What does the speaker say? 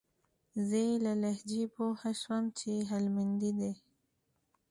زه يې له لهجې پوه سوم چې هلمندى دى.